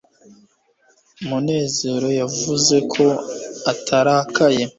munezero yavuze ko atarakaye